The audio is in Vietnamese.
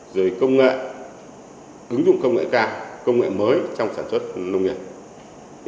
rồi công nghệ ứng dụng công nghệ cao công nghệ mới trong sản xuất nông nghiệp